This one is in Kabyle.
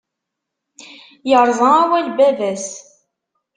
Yerẓa awal n baba-s.